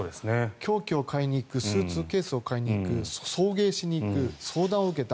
凶器を買いに行くスーツケースを買いに行く送迎しに行く、相談を受けた。